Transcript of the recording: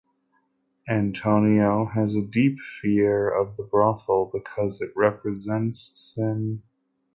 Antonio has a deep fear of the brothel because it represents sin.